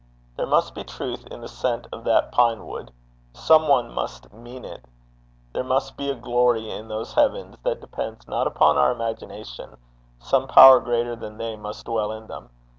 There must be truth in the scent of that pine wood: some one must mean it. There must be a glory in those heavens that depends not upon our imagination: some power greater than they must dwell in them.